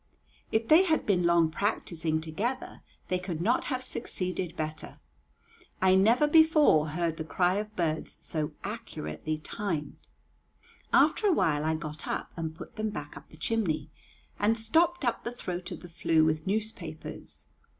If they had been long practicing together, they could not have succeeded better. I never before heard the cry of birds so accurately timed. After a while I got up and put them back up the chimney, and stopped up the throat of the flue with newspapers.